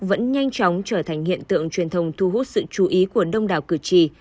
vẫn nhanh chóng trở thành hiện tượng truyền thông thu hút sự chú ý của đông đảo cử tri